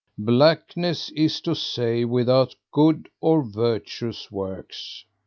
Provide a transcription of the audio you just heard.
Blackness is to say without good or virtuous works.